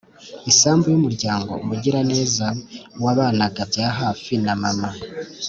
isambu y’umuryango umugiraneza wabanaga byahafi na mama